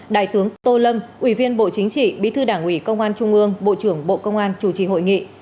đại tướng tô lâm ủy viên bộ chính trị bí thư đảng ủy công an trung ương bộ trưởng bộ công an chủ trì hội nghị